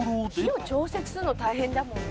「火を調節するの大変だもんね」